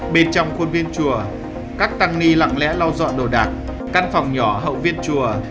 bên trong khuôn viên chùa các tăng ni lặng lẽ lau dọn đồ đạc căn phòng nhỏ hậu viên chùa